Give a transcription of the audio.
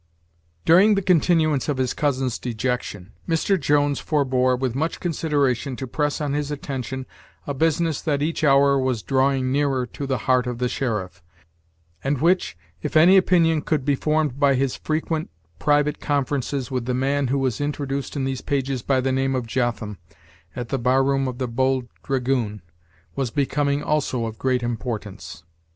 During the continuance of his cousin's dejection, Mr. Jones forebore, with much consideration, to press on his attention a business that each hour was drawing nearer to the heart of the sheriff, and which, if any opinion could be formed by his frequent private conferences with the man who was introduced in these pages by the name of Jotham, at the bar room of the Bold Dragoon, was becoming also of great importance.